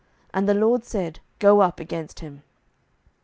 And the LORD said, Go up against him.)